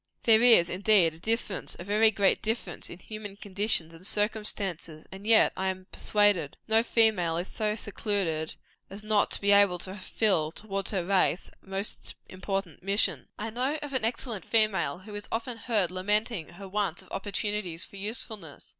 There is, indeed, a difference, a very great difference, in human conditions and circumstances; and yet I am persuaded, no female is so secluded as not to be able to fulfil, towards her race, a most important mission. I know of an excellent female who is often heard lamenting her want of opportunity for usefulness.